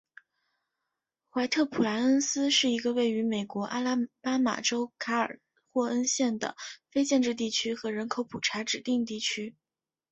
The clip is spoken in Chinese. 怀特普莱恩斯是一个位于美国阿拉巴马州卡尔霍恩县的非建制地区和人口普查指定地区。